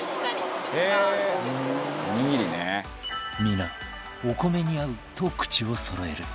皆「お米に合う」と口をそろえる